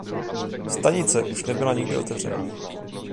Stanice už nebyla nikdy otevřena.